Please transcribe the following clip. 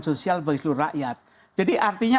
sosial bagi seluruh rakyat jadi artinya